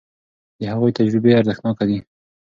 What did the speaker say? د هغوی تجربې ارزښتناکه دي.